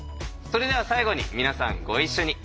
それでは最後に皆さんご一緒に。